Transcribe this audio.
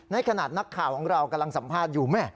ในขณะนักข่าวของเรากำลังสัมภาษณ์อยู่แม่